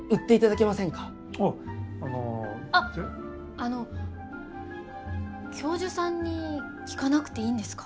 あの教授さんに聞かなくていいんですか？